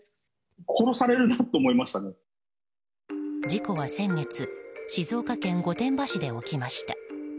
事故は先月静岡県御殿場市で起きました。